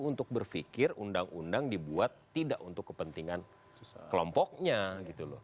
untuk berpikir undang undang dibuat tidak untuk kepentingan kelompoknya gitu loh